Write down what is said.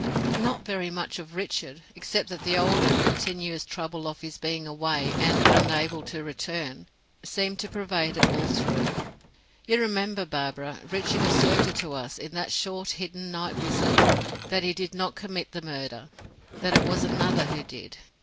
"Not very much of Richard; except that the old and continuous trouble of his being away and unable to return, seemed to pervade it all through. You remember, Barbara, Richard asserted to us, in that short, hidden night visit, that he did not commit the murder; that it was another who did?"